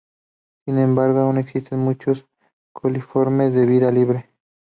Sin embargo, aun existen muchos coliformes de vida libre.